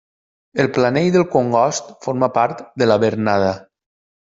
El Planell del Congost forma part de la Bernada.